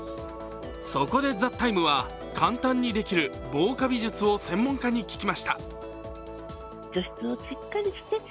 そこで「ＴＨＥＴＩＭＥ，」は簡単にできる防カビ術を専門家に聞きました。